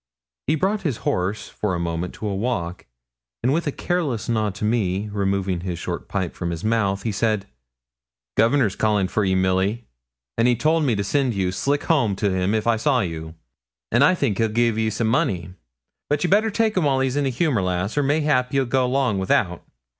He brought his horse for a moment to a walk, and with a careless nod to me, removing his short pipe from his mouth, he said 'Governor's callin' for ye, Milly; and he told me to send you slick home to him if I saw you, and I think he'll gi'e ye some money; but ye better take him while he's in the humour, lass, or mayhap ye'll go long without.'